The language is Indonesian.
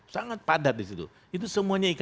sangat padat di situ itu semuanya